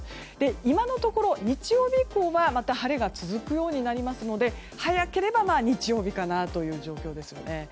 今のところ、日曜日以降はまた晴れが続くようになりますので早ければ日曜日かなという状況ですね。